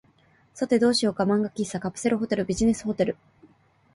さて、どうしようか。漫画喫茶、カプセルホテル、ビジネスホテル、